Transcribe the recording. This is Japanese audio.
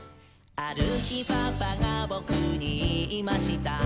「あるひパパがボクにいいました」